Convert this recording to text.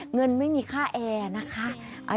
เงินไม่มีค่าแอร์นะคะ